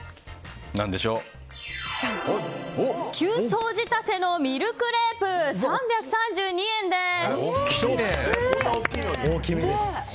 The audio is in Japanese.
９層仕立てのミルクレープ３３２円です。